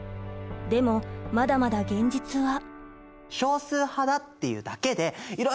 でもまだまだ現実は。